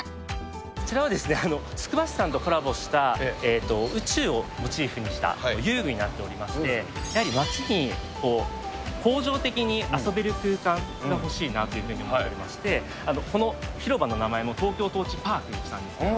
こちらは、つくば市さんとコラボした宇宙をモチーフにした遊具になっておりまして、やはり街に恒常的に遊べる空間が欲しいなというふうに思っておりまして、この広場の名前もトーキョートーチパークにしたんですよ。